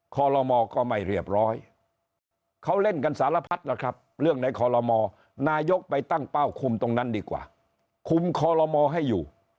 คอลโลมอก็ไม่เรียบร้อยเขาเล่นกันสารพัดล่ะครับเรื่องในคอลโลมนายกไปตั้งเป้าคุมตรงนั้นดีกว่าคุมคอลโลมอให้อยู่